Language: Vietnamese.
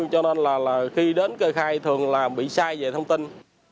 cho nên là khi đến kê khai thường là bị sai về thông tin